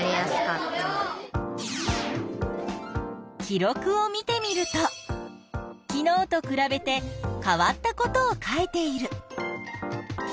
記録を見てみると昨日とくらべて変わったことを書いている。